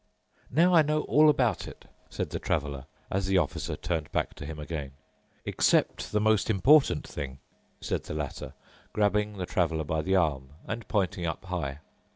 "Now I know all about it," said the Traveler, as the Officer turned back to him again. "Except the most important thing," said the latter, grabbing the Traveler by the arm and pointing up high.